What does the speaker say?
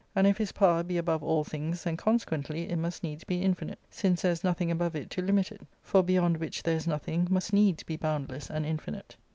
And if his power be above all things, then, consequently, it must needs be infinite, since there is nothing above it to limit it; for beyond which there is nothing must needs be boundless and infinite.